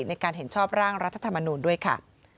ในการเห็นชอบร่างรัฐธรรมนูลด้วยค่ะ